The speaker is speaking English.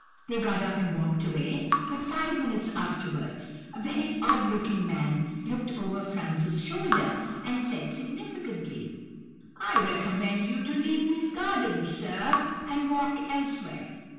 They got up and walked away, but, five minutes afterwards, a very odd looking man looked over Franz's shoulder, and said significantly, 'I recommend you to leave these gardens, sir, and walk elsewhere.